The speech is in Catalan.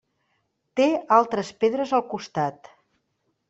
Té altres pedres al costat.